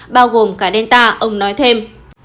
bao gồm cả delta ông nói thêm